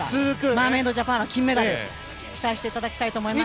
マーメイドジャパンは金メダル期待していただきたいと思います。